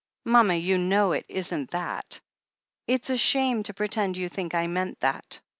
"Mama, you know it isn't that! It's a shame to pretend you think I meant that.